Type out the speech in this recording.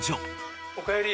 おかえり